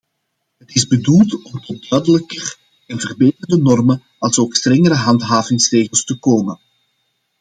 Het is bedoeld om tot duidelijker en verbeterde normen alsook strengere handhavingsregels te komen.